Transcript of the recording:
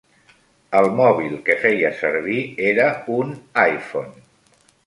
El mòbil que feia servir era un iPhone.